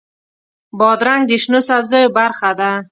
بادرنګ د شنو سبزیو برخه ده.